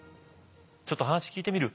ちょっと話聞いてみる？